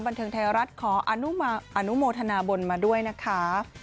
บันเทิงไทยรัฐขออนุโมทนาบนมาด้วยนะคะ